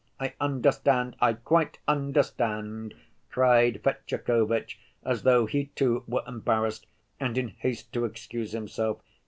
"I understand, I quite understand," cried Fetyukovitch, as though he, too, were embarrassed and in haste to excuse himself.